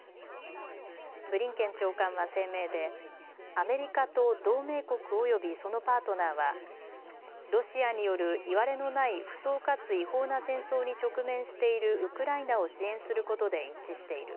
ブリンケン長官は声明でアメリカと同盟国およびそのパートナーはロシアによるいわれのない不当かつ違法な戦争に直面しているウクライナを支援することで一致している。